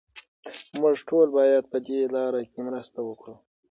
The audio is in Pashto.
موږ ټول باید پهدې لاره کې مرسته وکړو.